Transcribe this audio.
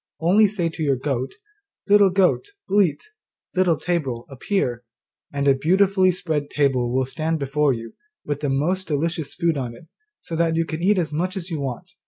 Only say to your goat, "Little goat, bleat, Little table, appear," and a beautifully spread table will stand before you, with the most delicious food on it, so that you can eat as much as you want.